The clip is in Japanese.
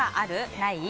ない？